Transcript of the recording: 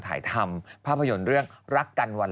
๓๕ปียังไม่ถึงอายุเราด้วย